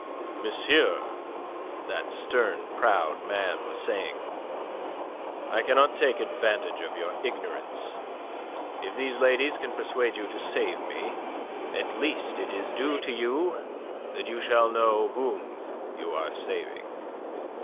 "Monsieur," that stern, proud man was saying, "I cannot take advantage of your ignorance. If these ladies can persuade you to save me, at least it is due to you that you shall know whom you are saving."